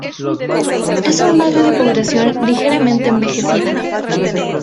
Es un barrio de población ligeramente envejecida.